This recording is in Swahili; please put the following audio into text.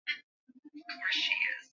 Ba bukavu banatilianaka sumu mu bya kurya